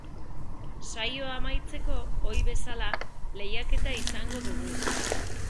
Saioa amaitzeko, ohi bezala, lehiaketa izango dugu.